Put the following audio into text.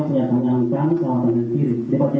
berada di papan kiri